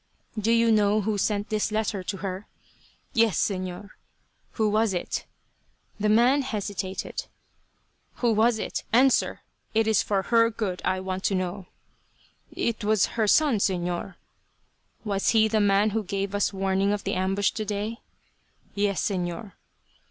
"Do you know who sent this letter to her?" "Yes, Señor." "Who was it?" The man hesitated. "Who was it? Answer. It is for her good I want to know." "It was her son, Señor." "Was he the man who gave us warning of the ambush today?" "Yes, Señor."